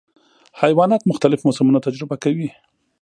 حیوانات مختلف موسمونه تجربه کوي.